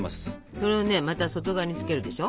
それをまた外側につけるでしょ。